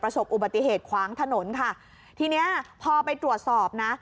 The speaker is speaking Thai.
อุบัติเหตุขวางถนนค่ะทีเนี้ยพอไปตรวจสอบนะ